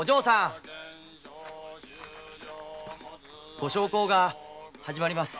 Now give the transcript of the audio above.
お焼香が始まります。